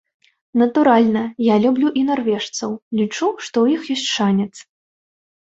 Натуральна, я люблю і нарвежцаў, лічу, што ў іх ёсць шанец.